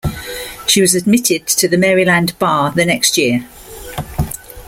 She was admitted to the Maryland bar the next year.